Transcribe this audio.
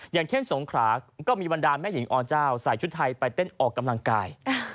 อย่างเช่นสงขราก็มีบรรดาลแม่หญิงอเจ้าใส่ชุดไทยไปเต้นออกกำลังกาย